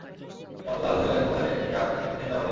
পথে পালিদহ এলাকায় পৌঁছালে একটি ট্রাক তাঁকে পেছন থেকে চাপা দেয়।